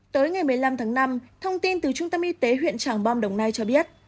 tới ngày một mươi năm tháng năm thông tin từ trung tâm y tế huyện tràng bom đồng nai cho biết